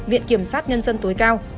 viện kiểm sát nhân dân tối cao